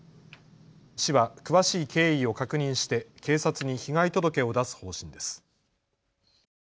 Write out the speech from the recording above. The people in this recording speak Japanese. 市は詳しい経緯を確認して警察に被害届を出す方針です。